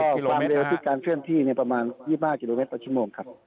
ก็ความเร็วที่การเคลื่อนที่ประมาณ๒๕กิโลเมตรต่อชั่วโมงครับ